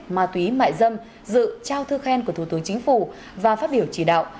ma túy mại dâm dự trao thư khen của thủ tướng chính phủ và phát biểu chỉ đạo